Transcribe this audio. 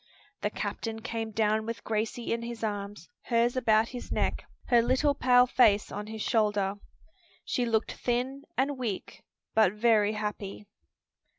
The captain came down with Gracie in his arms, hers about his neck, her little pale face on his shoulder. She looked thin and weak, but very happy.